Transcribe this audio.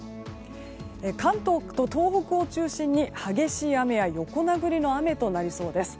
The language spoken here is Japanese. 関東と東北を中心に激しい雨や横殴りの雨となりそうです。